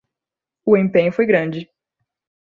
O empenho foi grande